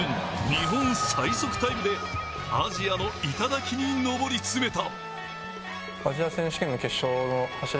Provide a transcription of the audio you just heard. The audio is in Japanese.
日本最速タイムでアジアの頂に登り詰めた。